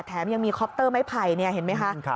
แถมยังมีไม่หล่นเนี่ยเห็นมั้ยค่ะครับ